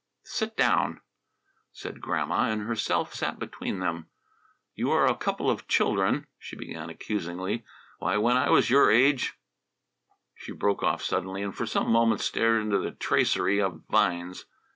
"Sit down," said Grandma, and herself sat between them. "You are a couple of children," she began accusingly. "Why, when I was your age " She broke off suddenly, and for some moments stared into the tracery of vines.